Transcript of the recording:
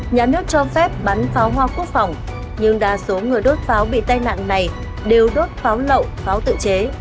nhà nước cho phép bắn pháo hoa quốc phòng nhưng đa số người đốt pháo bị tai nạn này đều đốt pháo lậu pháo tự chế